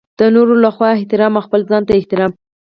د نورو لخوا احترام او خپل ځانته احترام.